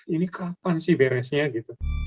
ini kapan sih beresnya gitu